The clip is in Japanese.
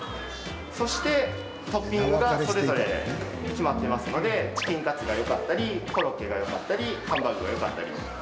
そしてトッピングがそれぞれ決まってますのでチキンカツがよかったりコロッケがよかったりハンバーグがよかったり。